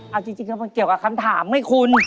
เอาจริงเพราะมันเกี่ยวกับคำถามไม่คุ้น